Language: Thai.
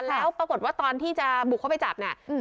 แล้วปรากฏว่าตอนที่จะบุกเข้าไปจับเนี่ย